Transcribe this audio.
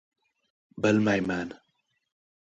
— Bilmayman!